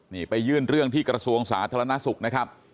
นี่ไปยื่นเรื่องที่กระทรวงสาธารณสุขนะครับ